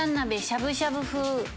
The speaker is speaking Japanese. しゃぶしゃぶ風。